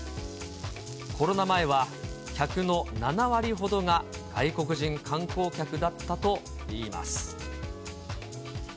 コロナ前は客の７割ほどが外国人観光客だったといいます。